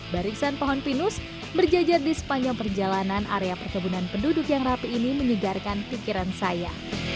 barisan pohon pinus berjajar di sepanjang perjalanan area perkebunan penduduk yang rapi ini menyegarkan pikiran saya